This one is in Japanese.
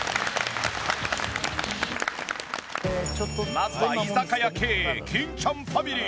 まずは居酒屋経営金ちゃんファミリー。